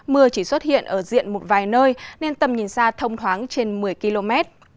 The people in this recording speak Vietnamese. mưa chỉ xuất hiện ở diện một vài nơi nên tầm nhìn xa thông thoáng trên một mươi km